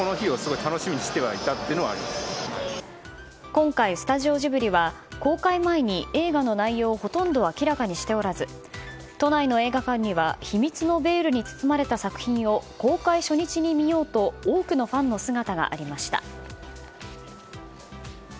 今回、スタジオジブリは公開前に映画の内容をほとんど明らかにしておらず都内の映画館には秘密のベールに包まれた作品を公開初日に見ようと多くのファンの姿がありました。